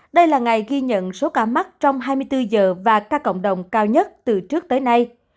đây là ngày ghi nhận số ca mắc trong hai mươi bốn giờ và ca cộng đồng cao nhất từ trước tới nay